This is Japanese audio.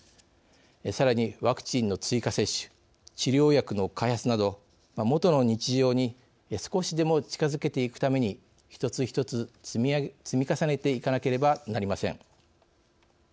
さらにワクチンの追加接種治療薬の開発など元の日常に少しでも近づけていくために一つ一つ積み重ねていかなければなりません。